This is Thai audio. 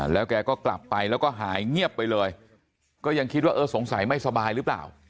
แล้วแกก็กลับไปแล้วก็หายเงียบไปเลยก็ยังคิดว่าเออสงสัยไม่สบายหรือเปล่า